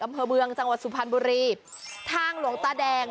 อำเภอเมืองจังหวัดสุพรรณบุรีทางหลวงตาแดง